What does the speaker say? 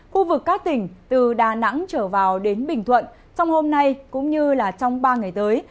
khu vực các tỉnh từ đà nẵng trở vào đến bình thuận trong hôm nay cũng như trong ba ngày tới